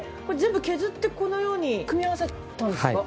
これ全部削ってこのように組み合わさったんですか？